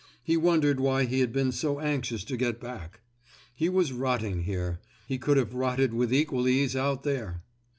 He wondered why he had been so anxious to get back. He was rotting here; he could have rotted with equal ease out there.